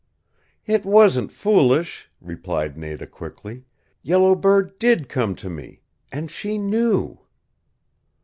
"It wasn't foolish," replied Nada quickly. "Yellow Bird DID come to me. And SHE KNEW."